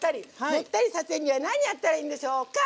もったりさせるには何やったらいいんでしょうか？